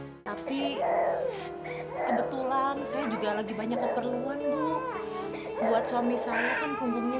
tapi kebetulan saya juga lagi banyak keperluan bu buat suami saya kan punggungnya